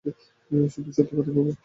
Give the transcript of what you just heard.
শুধু সত্যি কথা বলবা।